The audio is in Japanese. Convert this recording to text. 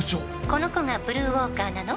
「この子がブルーウォーカーなの？